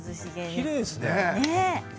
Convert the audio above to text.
きれいですね。